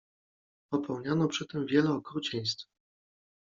Popełniano przy tym wiele okrucieństw.